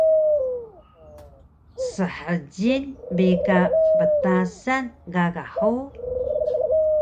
Shjil bi ka ptasan gaga hug?